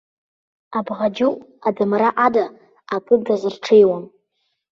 Абӷаџьыҟә адамра ада акы дазырҽеиуам!